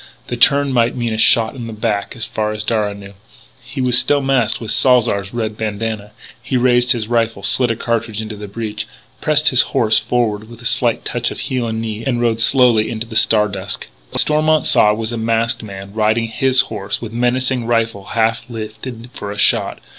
To turn might mean a shot in the back as far as Darragh knew. He was still masked with Salzar's red bandanna. He raised his rifle, slid a cartridge into the breech, pressed his horse forward with a slight touch of heel and knee, and rode slowly out into the star dusk. What Stormont saw was a masked man, riding his own horse, with menacing rifle half lifted for a shot!